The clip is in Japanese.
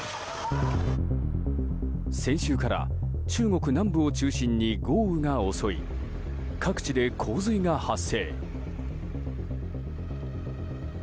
先週から中国南部を中心に豪雨が襲い各地で洪水が発生。